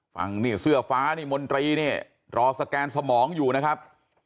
ฝั่งนี่เสื้อฟ้านี่มนตรีเนี่ยรอสแกนสมองอยู่นะครับ